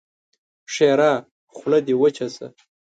ښېرا: خوله دې وچه شه!